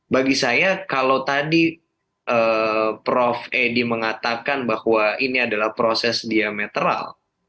bagi saya kalau tadi prof edi mengatakan bahwa ini adalah proses diametral